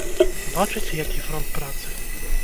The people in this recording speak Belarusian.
Бачыце, які фронт працы?